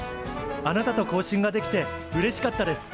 あなたと交信ができてうれしかったです。